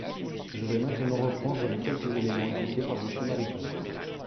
Je vais maintenant reprendre les quelques éléments évoqués par Monsieur Mariton.